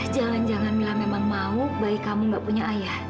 jangan jangan mila memang mau bayi kamu gak punya ayah